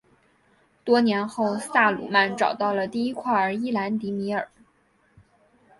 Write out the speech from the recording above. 多年后萨鲁曼找到了第一块伊兰迪米尔。